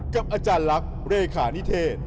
กับอาจารย์ลักษณ์เลขานิเทศ